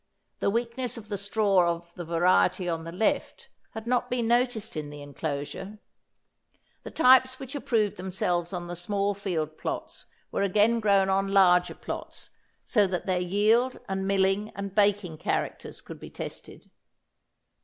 The weakness of the straw of the variety on the left had not been noticed in the enclosure. The types which approved themselves on the small field plots were again grown on larger plots so that their yield and milling and baking characters could be tested.